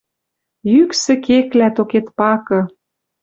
Йӱксӹ кеклӓ токет пакы